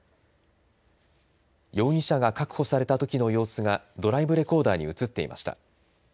容疑者が確保されたときの様子がドライブレコーダーに映っていました。